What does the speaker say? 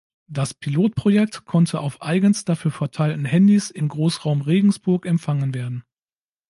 Das Pilotprojekt konnte auf eigens dafür verteilten Handys im Großraum Regensburg empfangen werden.